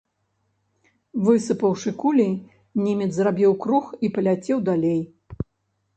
Высыпаўшы кулі, немец зрабіў круг і паляцеў далей.